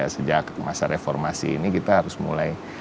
sejak masa reformasi ini kita harus mulai